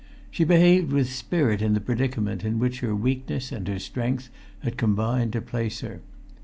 She behaved with spirit in the predicament in which her weakness and her strength had combined to place her.